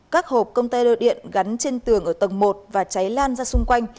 các hộp công tay đồ điện gắn trên tường ở tầng một và cháy lan ra xung quanh